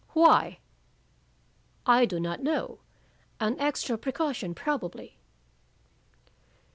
"Why?" "I do not know. An extra precaution probably."